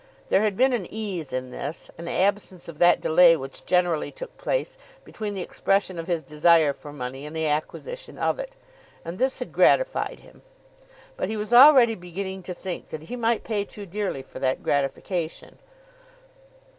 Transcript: There had been an ease in this, an absence of that delay which generally took place between the expression of his desire for money and the acquisition of it, and this had gratified him. But he was already beginning to think that he might pay too dearly for that gratification.